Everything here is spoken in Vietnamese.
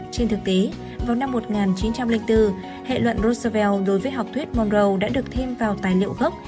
trên thực tế vào năm một nghìn chín trăm linh bốn hệ luận rosevel đối với học thuyết monrow đã được thêm vào tài liệu gốc